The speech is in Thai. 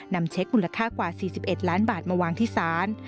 นำเช็คมูลค่ากว่า๔๑ล้านบาทมาวางที่ศาล